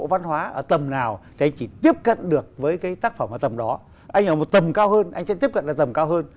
anh sẽ tiếp cận được với tác phẩm ở tầm đó anh ở một tầm cao hơn anh sẽ tiếp cận đến tầm cao hơn